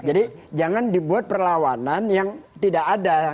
jadi jangan dibuat perlawanan yang tidak ada